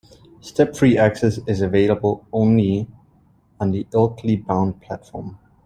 Step-free access is available only on the Ilkley-bound platform.